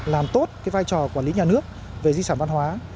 làm tốt cái vai trò quản lý nhà nước về di sản văn hóa